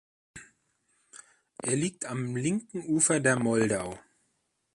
Er liegt am linken Ufer der Moldau.